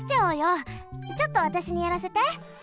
ちょっとわたしにやらせて！